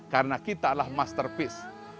karena kita adalah masterpiece